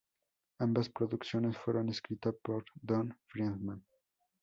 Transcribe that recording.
Ambas producciones fueron escritas por Ron Friedman.